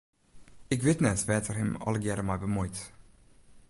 Ik wit net wêr't er him allegearre mei bemuoit.